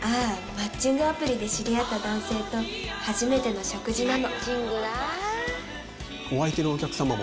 マッチングアプリで知り合った男性と初めての食事なの」